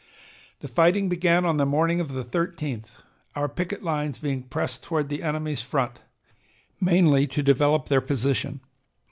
The fighting began on the morning of the 13th, our picket lines being pressed toward the enemy's front, mainly to develop their position.